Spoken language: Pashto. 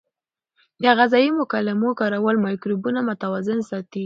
د غذایي مکملونو کارول مایکروبونه متوازن ساتي.